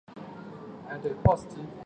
差别错误分析。